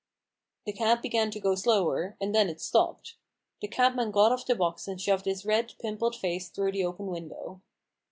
The cab began to go slower, and then it stopped. The cabman got off the box and shoved his red, pimpled face through the open window.